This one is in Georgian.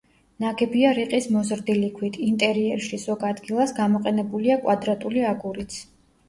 ნაგებია რიყის მოზრდილი ქვით, ინტერიერში, ზოგ ადგილას, გამოყენებულია კვადრატული აგურიც.